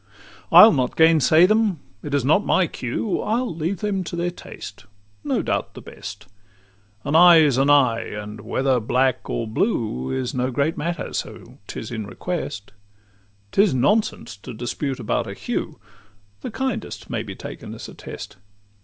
III I'll not gainsay them; it is not my cue; I'll leave them to their taste, no doubt the best: An eye's an eye, and whether black or blue, Is no great matter, so 't is in request, 'T is nonsense to dispute about a hue The kindest may be taken as a test.